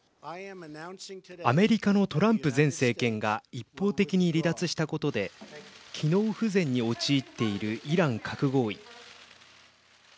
アメリカのトランプ前政権が一方的に離脱したことで機能不全に陥っているイラン核合意。